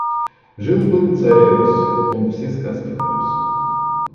Жил-был царь овес, он все сказки унес.